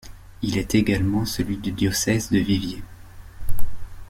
Il est également celui du diocèse de Viviers.